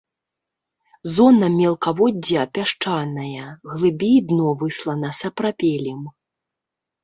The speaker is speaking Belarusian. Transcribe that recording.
Зона мелкаводдзя пясчаная, глыбей дно выслана сапрапелем.